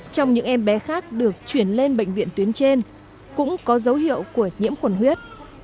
trong những em bé khác được chuyển lên bệnh viện tuyến trên cũng có dấu hiệu của nhiễm khuẩn huyết